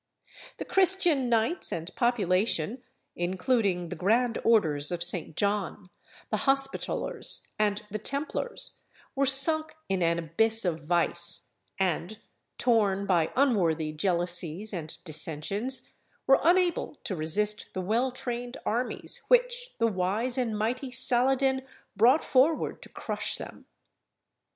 The Christian knights and population, including the grand orders of St. John, the Hospitallers, and the Templars, were sunk in an abyss of vice, and, torn by unworthy jealousies and dissensions, were unable to resist the well trained armies which the wise and mighty Saladin brought forward to crush them.